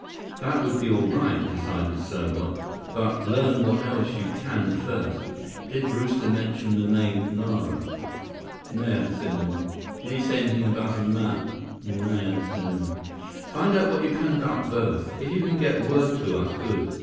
"That would be all right," decided Serbot, "but learn what else you can first. Did Brewster mention the name Nara?" "Nao, Senhor." "Did he say anything about a map?" "Nao, Senhor." "Find out what you can about both. If you can get word to us, good.